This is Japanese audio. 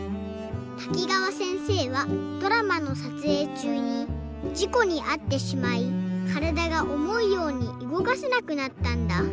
滝川せんせいはドラマのさつえいちゅうにじこにあってしまいからだがおもうようにうごかせなくなったんだ。